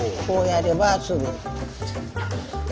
こうやればすぐ。